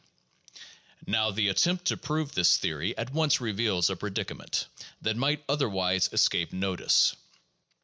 Now the attempt to prove this theory at once reveals a predicament that might otherwise escape notice.